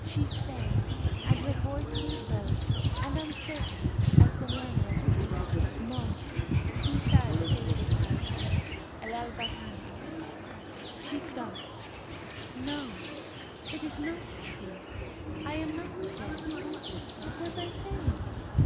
She sang, and her voice was low and uncertain as the murmur of the bee, "Noche, quita te de allí. El alba canta...." She stopped. "No, it is not true. I am not dead. What was I saying?